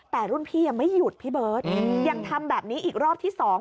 แต่รุ่นพี่ยังไม่หยุดพี่เบิร์ตยังทำแบบนี้อีกรอบที่สอง